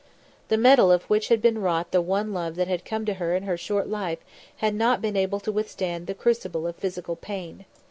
The metal of which had been wrought the one love that had come to her in her short life had not been able to withstand the crucible of physical pain.